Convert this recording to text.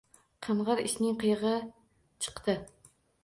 Qing‘ir ishning qiyig‘i chiqdi